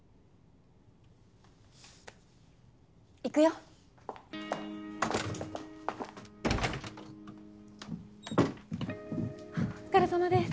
行くよお疲れさまです